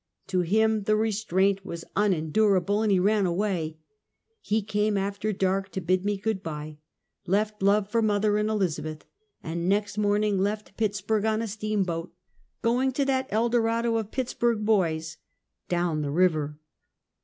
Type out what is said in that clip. To him, the restraint was unendurable, and he ran away. He came after dark to bid me good bje, left love for moth er and Elizabeth, and next morning left Pittsburg on a steamboat, going to that Eldorado of Pittsburg boys —" down the river."